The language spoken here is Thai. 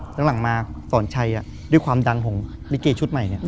หลังมาสอนชัยด้วยความดังของลิเกชุดใหม่